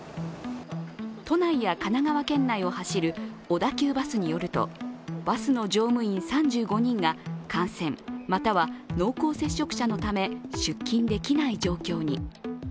都内や神奈川県内を走る小田急バスによるとバスの乗務員３５人が感染、または濃厚接触者のため出勤できない状況に。